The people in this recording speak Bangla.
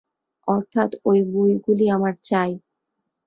অর্থাৎ ঐ বইগুলি আমার চাই।